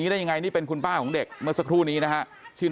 ได้ยังไงนี่เป็นคุณป้าของเด็กเมื่อสักครู่นี้นะฮะชื่อ